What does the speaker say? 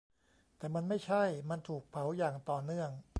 แต่มันไม่ใช่ : มันถูกเผาอย่างต่อเนื่อง